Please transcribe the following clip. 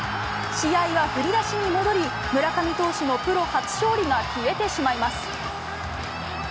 試合は振り出しに戻り、村上投手のプロ初勝利が消えてしまいます。